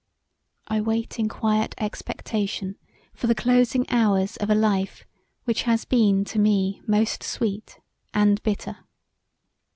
I wait in quiet expectation for the closing hours of a life which has been to me most sweet & bitter.